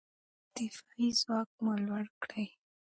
دفاعي ځواک مو لوړ کړئ.